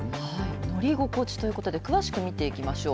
乗り心地ということで詳しく見ていきましょう。